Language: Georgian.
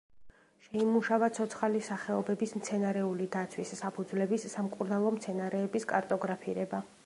შეიმუშავა ცოცხალი სახეობების მცენარეული დაცვის საფუძვლების, სამკურნალო მცენარეების კარტოგრაფირება.